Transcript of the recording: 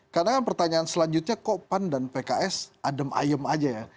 karena kan pertanyaan selanjutnya kok pan dan pks adem ayem aja ya